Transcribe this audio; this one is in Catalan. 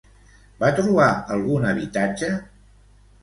Va trobar algun habitatge?